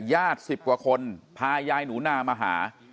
สิบกว่าคนพายายหนูนามาหา